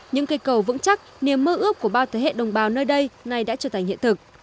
những cây cầu vững chắc niềm mơ ước của bao thế hệ đồng bào nơi đây này đã trở thành hiện thực